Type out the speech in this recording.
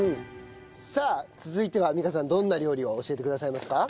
さあ続いては美香さんどんな料理を教えてくださいますか？